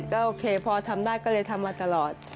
ก็โอเคพอทำได้ก็เลยทำมาตลอด